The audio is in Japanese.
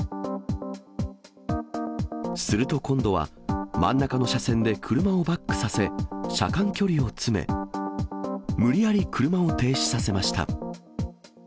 すると今度は、真ん中の車線で車をバックさせ、車間距離を詰め、無理やり車を停止させました。